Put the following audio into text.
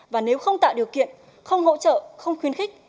và nếu không tạo điều kiện không hỗ trợ không khuyến khích